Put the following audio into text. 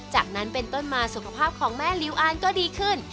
จากนั้นเป็นต้นมาสุขภาพของแม่ลิวอานก็ดีขึ้น